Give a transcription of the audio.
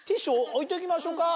置いときましょうか？